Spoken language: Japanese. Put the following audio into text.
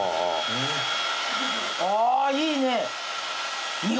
あいいね。